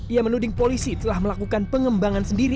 ia menuding polisi telah melakukan pengembangan sendiri